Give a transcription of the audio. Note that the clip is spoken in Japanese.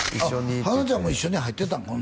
ハナちゃんも一緒に入ってたん？